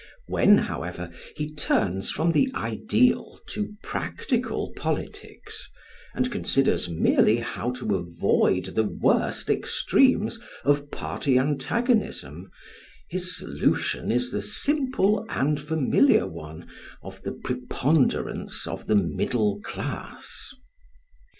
When, however, he turns from the ideal to practical politics, and considers merely how to avoid the worst extremes of party antagonism, his solution is the simple and familiar one of the preponderance of the middle class.